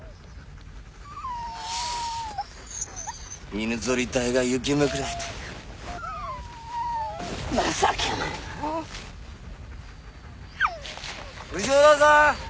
犬ぞり隊が雪眼くらいで情けないなあ潮田さん！